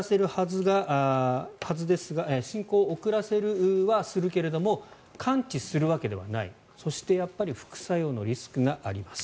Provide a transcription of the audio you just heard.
進行を遅らせはするけども完治するわけではないそして、やっぱり副作用のリスクがあります。